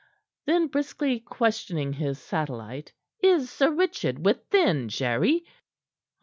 Then, briskly questioning his satellite: "Is Sir Richard within, Jerry?"